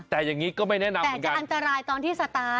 แต่อย่างนี้ก็ไม่แนะนำแต่จะอันตรายตอนที่สตาร์ท